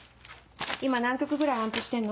今何曲ぐらい暗譜してんの？